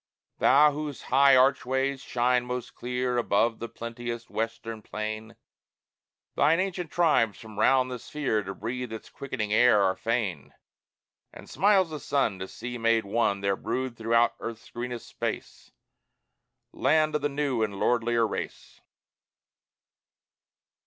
Thou, whose high archways shine most clear Above the plenteous Western plain, Thine ancient tribes from round the sphere To breathe its quickening air are fain: And smiles the sun To see made one Their brood throughout Earth's greenest space, Land of the new and lordlier race!